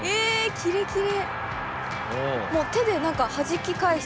キレキレ。